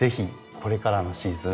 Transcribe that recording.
これからのシーズン